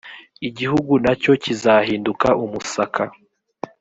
igihugu na cyo kizahinduka umusaka